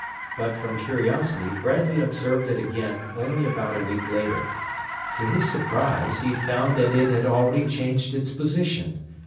But from curiosity Bradley observed it again only about a week later. To his surprise, he found that it had already changed its position.